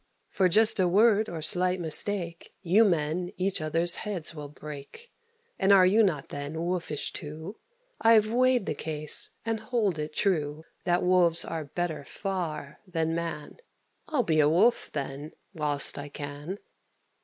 For just a word, or slight mistake, You men each other's heads will break; And are you not, then, wolfish, too? I've weighed the case, and hold it true That wolves are better far than man: I'll be a Wolf, then, whilst I can."